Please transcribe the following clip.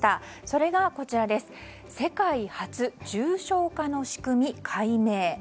それが世界初、重症化の仕組み解明。